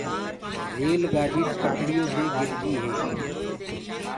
ريل گآڏي پٽڙيو دي گِر گيٚ۔